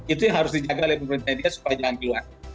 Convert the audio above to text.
itu yang harus dijaga oleh pemerintah india supaya jangan keluar